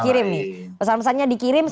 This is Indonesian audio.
oke ini pesan pesannya dikirim nih